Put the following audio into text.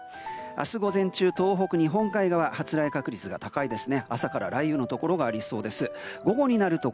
明日午前中、東北の日本海側は発雷確率高いですね。